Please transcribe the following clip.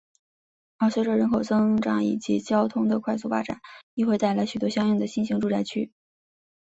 而随着人口增长以及交通的快速发展亦会带来许多相应的新型住宅区。